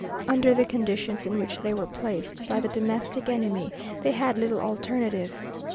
Under the conditions in which they were placed by the domestic enemy, they had little alternative.